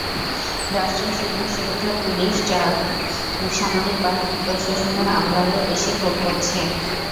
রাষ্ট্রের সুযোগ-সুবিধা police, RAB, সামরিক বাহিনী, প্রশাসনের আমলারাই বেশি ভোগ করেছেন।